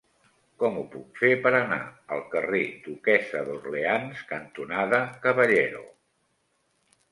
Com ho puc fer per anar al carrer Duquessa d'Orleans cantonada Caballero?